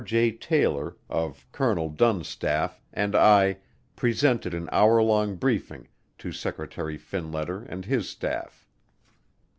J. Taylor of Colonel Dunn's staff and I presented an hour long briefing to Secretary Finletter and his staff.